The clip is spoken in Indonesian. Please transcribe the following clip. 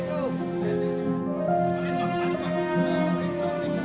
jadi semua kenal